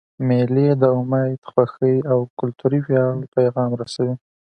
مېلې د امید، خوښۍ، او کلتوري ویاړ پیغام رسوي.